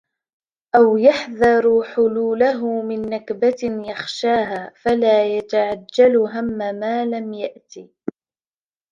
أَوْ يَحْذَرُ حُلُولَهُ مِنْ نَكْبَةٍ يَخْشَاهَا فَلَا يَتَعَجَّلْ هَمَّ مَا لَمْ يَأْتِ